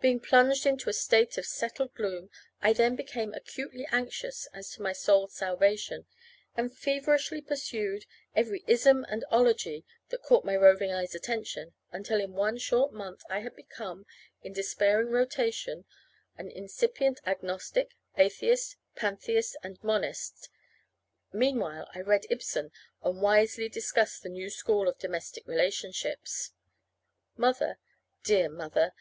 Being plunged into a state of settled gloom, I then became acutely anxious as to my soul's salvation, and feverishly pursued every ism and ology that caught my roving eye's attention, until in one short month I had become, in despairing rotation, an incipient agnostic, atheist, pantheist, and monist. Meanwhile I read Ibsen, and wisely discussed the new school of domestic relationships. Mother dear mother!